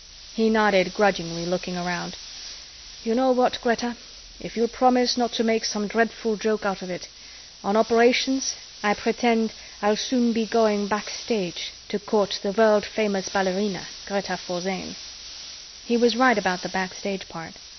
He nodded grudgingly, looking around. "You know what, Greta, if you'll promise not to make some dreadful joke out of it: on operations, I pretend I'll soon be going backstage to court the world famous ballerina Greta Forzane." He was right about the backstage part.